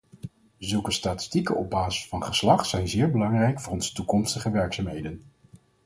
Zulke statistieken op basis van geslacht zijn zeer belangrijk voor onze toekomstige werkzaamheden.